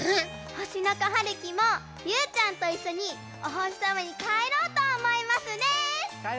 ほしのこはるきもりゅうちゃんといっしょにおほしさまにかえろうとおもいますです！